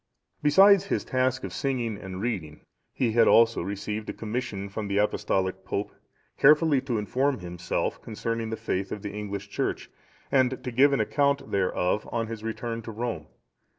Besides his task of singing and reading, he had also received a commission from the Apostolic Pope, carefully to inform himself concerning the faith of the English Church, and to give an account thereof on his return to Rome.